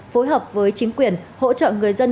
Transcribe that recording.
phối hợp với chính quyền hỗ trợ người dân